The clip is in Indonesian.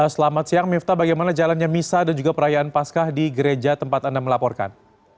selamat siang mifta bagaimana jalannya misa dan juga perayaan pascah di gereja tempat anda melaporkan